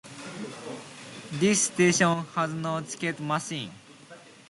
This station has no ticket machine.